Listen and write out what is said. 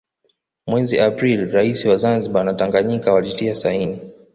Mwezi Aprili rais wa Zanzibar na Tanganyika walitia saini